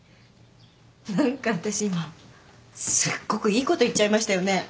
何か私今すっごくいいこと言っちゃいましたよね？